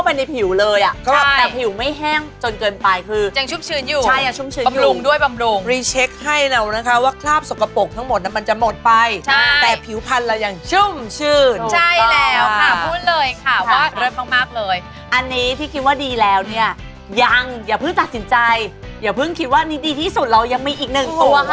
เป็นใจเหล่ะเห็นไหมเพราะพิมพ์ร่ดมากค่ะ